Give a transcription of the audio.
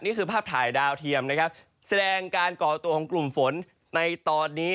นี่คือภาพถ่ายดาวเทียมนะครับแสดงการก่อตัวของกลุ่มฝนในตอนนี้